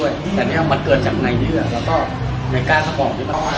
แต่ท่านเนี้ยมันเกิดจากในเดือดแล้วก็ในกาสสมองดิน